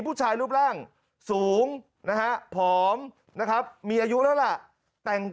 ผู้ชายรูปร่างสูงผอมมีอายุแล้วล่ะแต่ง